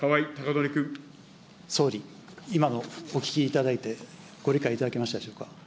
総理、今のお聞きいただいて、ご理解いただけましたでしょうか。